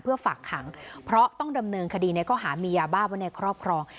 ฝากขังเพราะต้องดำเนินคดีในข้อหามียาบ้าไว้ในครอบครอง